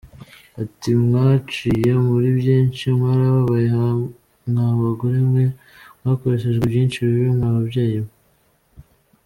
Ati “Mwaciye muri byinshi, mwarababaye mwa bagore mwe, mwakoreshejwe byinshi bibi mwa babyeyi mwe.